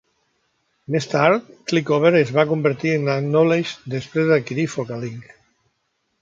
Més tard, ClickOver es va convertir en Adknowledge després d'adquirir Focalink.